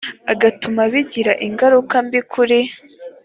agatuma bigira ingaruka mbi kuri